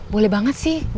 boleh banget sih